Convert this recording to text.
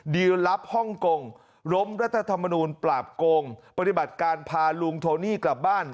ดีลลับฮ่องกงล้มรัฐธรรมนูลปราบโกงปฏิบัติการพาลุงโทนี่กลับบ้าน